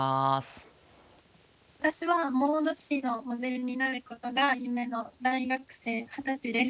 私はモード誌のモデルになることが夢の大学生二十歳です。